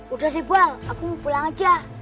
udah deh bal aku mau pulang aja